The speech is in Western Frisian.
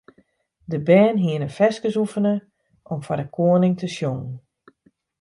De bern hiene ferskes oefene om foar de koaning te sjongen.